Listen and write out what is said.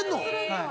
はい。